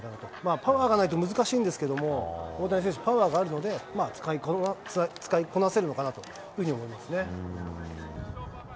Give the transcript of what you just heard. パワーがないと難しいんですけども、大谷選手、パワーがあるので、使いこなせるのかなというふうに思いますね。